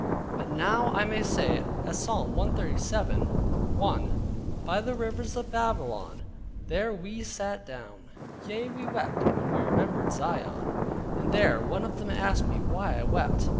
But now I may say as Psalm 137.1, "By the Rivers of Babylon, there we sate down: yea, we wept when we remembered Zion." There one of them asked me why I wept.